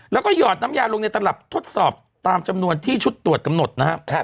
แล้วก็หยอดน้ำยาลงในตลับทดสอบตามจำนวนที่ชุดตรวจกำหนดนะครับ